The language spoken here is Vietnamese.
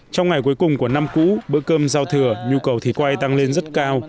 trong ngày cuối cùng của năm cũ bữa cơm giao thừa nhu cầu thịt quay tăng lên rất cao